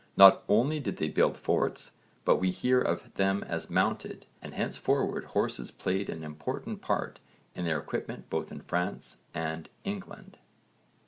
Not only did they build forts, but we hear of them as mounted, and henceforward horses played an important part in their equipment both in France and England.